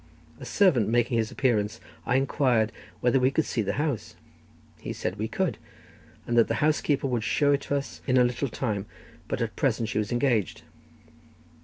A servant making his appearance, I inquired whether we could see the house; he said we could, and that the housekeeper would show it to us in a little time, but that at present she was engaged.